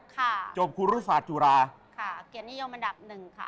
จบครูรุศาสตุราค่ะเกียรตินิยมอันดับหนึ่งค่ะ